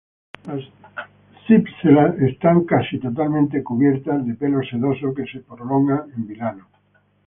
Las cipselas son casi totalmente cubiertos de pelos sedosos que se prolongan en vilano.